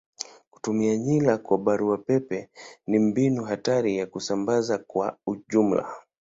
Kutuma nywila kwa barua pepe ni mbinu hatari ya usambazaji kwa ujumla.